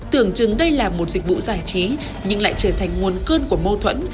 tưởng chừng đây là một dịch vụ giải trí nhưng lại trở thành nguồn cơn của mâu thuẫn